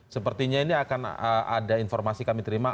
sepertinya ini akan ada informasi kami terima